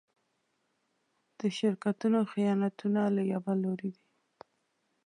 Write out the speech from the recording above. د شرکتونو خیانتونه له يوه لوري دي.